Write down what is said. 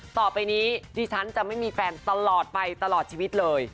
ต่อไปนี้ดิฉันจะไม่มีแฟนตลอดไปตลอดชีวิตเลย